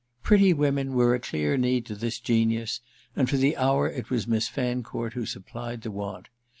Pretty women were a clear need to this genius, and for the hour it was Miss Fancourt who supplied the want.